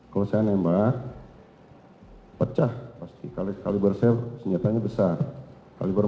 kalau saya nembak pecah pasti kaliber sel senjatanya besar kaliber empat puluh lima